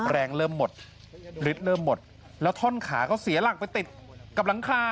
เริ่มหมดฤทธิ์เริ่มหมดแล้วท่อนขาก็เสียหลักไปติดกับหลังคา